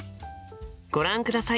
ご覧ください。